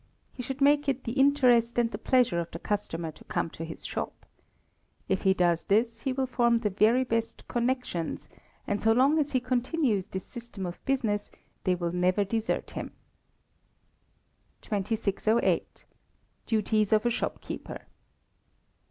He should make it the interest and the pleasure of the customer to come to his shop. If he does this, he will form the very best "connections," and so long as he continues this system of business, they will never desert him. 2608. Duties of a Shopkeeper.